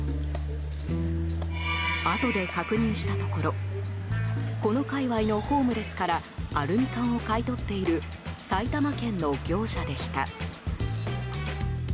あとで確認したところこの界隈のホームレスからアルミ缶を買い取っている埼玉県の業者でした。